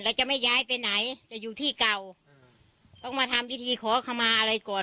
แล้วจะไม่ย้ายไปไหนจะอยู่ที่เก่าต้องมาทำพิธีขอขมาอะไรก่อน